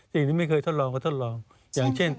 สิ่งที่ไม่เคยทดลองก็ทดลอง